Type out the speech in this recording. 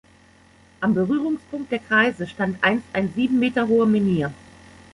Am Berührungspunkt der Kreise stand einst ein sieben Meter hoher Menhir.